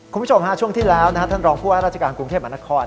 คุณผู้ชมฮะช่วงที่แล้วท่านรองผู้ว่าราชการกรุงเทพมหานคร